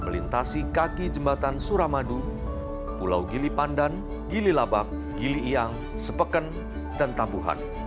melintasi kaki jembatan suramadu pulau gili pandan gili labak gili iang sepeken dan tabuhan